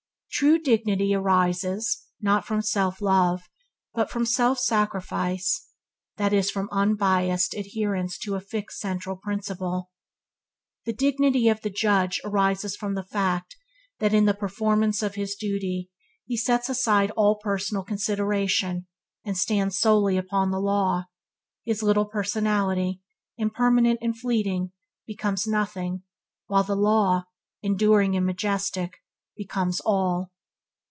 True dignity arises, not from self love, but from self sacrifice that is, from unbiased adherence to a fixed central principle. The dignity of the Judge arises from the fact that in the performance of his duty he sets aside all personal consideration, and stands solely upon the law; his little personality, impermanent and fleeting' becomes nothing, while the law, enduring and majestic, becomes all.